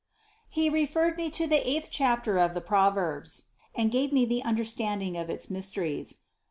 He referred me to the eighth chapter of the Proverbs and gave me the under standing of its mysteries.